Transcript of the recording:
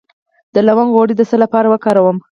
د لونګ غوړي د څه لپاره وکاروم؟